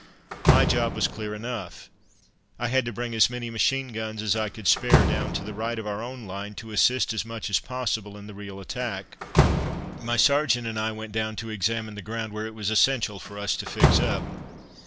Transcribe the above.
My job was clear enough. I had to bring as many machine guns as I could spare down to the right of our own line to assist as much as possible in the real attack. My sergeant and I went down to examine the ground where it was essential for us to fix up.